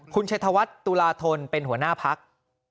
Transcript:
คุณชัยธวัฒน์ตุลาธนเป็นหัวหน้าพัก